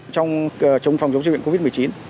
trong phòng chống dịch covid một mươi chín